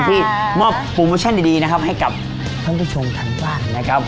ที่มอบโปรโมชั่นดีนะครับให้กับท่านผู้ชมทางบ้านนะครับ